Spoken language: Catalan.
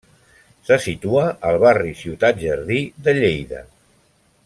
Se situa al barri Ciutat Jardí de Lleida.